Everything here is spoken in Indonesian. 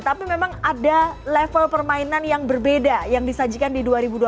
tapi memang ada level permainan yang berbeda yang disajikan di dua ribu dua puluh